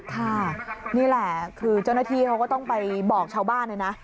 ค่ะนี่แหละคือเจ้าหน้าที่เขาก็ต้องไปบอกชาวบ้านเลยนะ